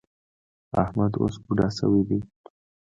احمد اوس بوډا شوی دی.